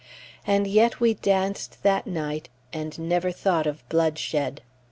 And yet we danced that night, and never thought of bloodshed!